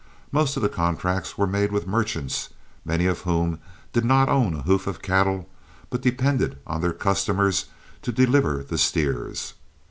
Most of the contracts were made with merchants, many of whom did not own a hoof of cattle, but depended on their customers to deliver the steers.